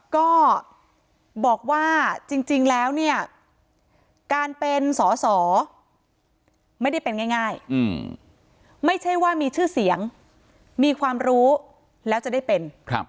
ก็บอกว่าจริงแล้วเนี่ยการเป็นสอสอไม่ได้เป็นง่ายไม่ใช่ว่ามีชื่อเสียงมีความรู้แล้วจะได้เป็น